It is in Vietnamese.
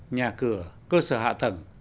nhà cửa cơ sở hạ thẩm